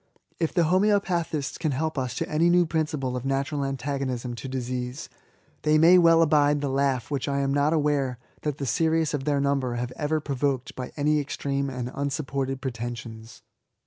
If the HomoeopatfaistB can help us to any new principle of natural anta* gonism to disease^ they may well abide the laugh which I am not aware that the serious of their number have ever provoked by any extreme and unsupported pretensions.